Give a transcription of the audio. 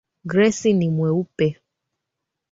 Grace ni mweupe.